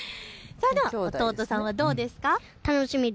弟さんはどうですか。